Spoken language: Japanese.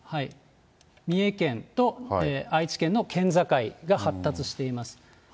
三重県と愛知県の県境が発達しています。